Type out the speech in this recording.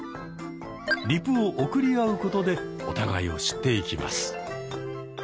リプを送り合うことでお互いを知っていきます。